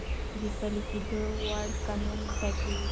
د پلی کیدو وړ قانون ټاکی ،